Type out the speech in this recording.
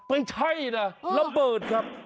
ไม่ใช่นะระเบิดครับ